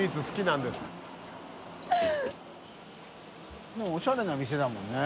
任おしゃれな店だもんね。